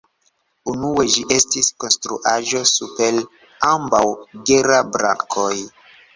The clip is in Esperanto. Unue ĝi estis konstruaĵo super ambaŭ Gera-brakoj.